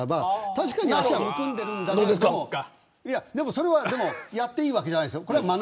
確かに足はむくんでるんだろうけどでもやっていいわけじゃないですよ。